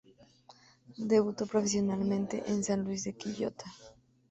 Debutó profesionalmente en San Luis de Quillota.